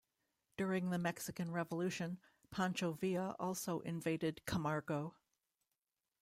During the Mexican Revolution, Pancho Villa also invaded Camargo.